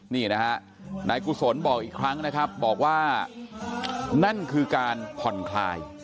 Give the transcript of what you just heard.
นี่นะฮะนายกุศลบอกอีกครั้งนะครับบอกว่านั่นคือการผ่อนคลาย